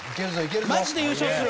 マジで優勝する。